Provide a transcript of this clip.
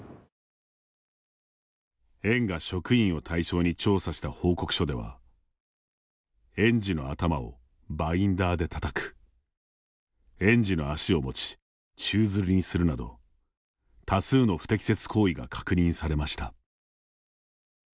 園が職員を対象に調査した報告書では園児の頭をバインダーでたたく園児の足を持ち宙づりにするなど多数の不適切行為が確認されました。